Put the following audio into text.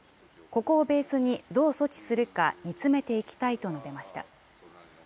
ここをベースにどう措置するか煮詰めていきたいと述べました。